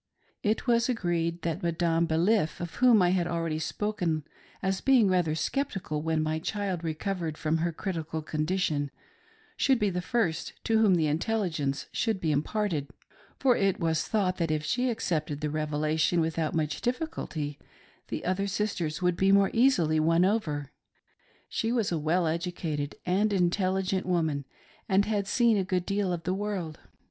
It was agreed that Madame Baliff, of whom I have already spoken as being rather sceptical when my child recovered from her critical condition, should be the first to whom the intelligence should be imparted, for it was thought that if she accepted the Revelation without much diffi culty, the other sisters would be more easily won over. She was a well educated and intelligent woman, and had seen a good deal of the world.